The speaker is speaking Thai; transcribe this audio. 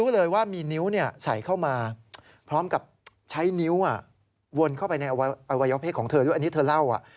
ไปอวัยวะเพศของเธอด้วยอันนี้เธอเล่า